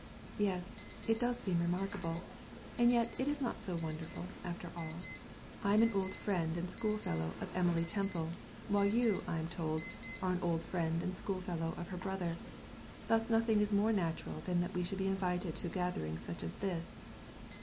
"Yes, it does seem remarkable; and yet it is not so wonderful, after all. I am an old friend and schoolfellow of Emily Temple, while you, I am told, are an old friend and schoolfellow of her brother. Thus nothing is more natural than that we should be invited to such a gathering as this."